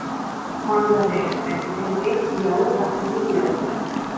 ბანგლადეშის პრეზიდენტის ზიაურ რაჰმანის მეუღლე.